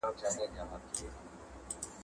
د منطق د صغری او کبری